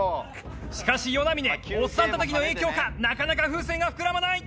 しかし與那嶺おじさん叩きの影響かなかなか風船が膨らまない！